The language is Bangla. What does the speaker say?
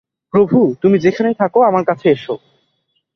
প্রভু, তুমি যেখানেই থাক, আমার কাছে এস।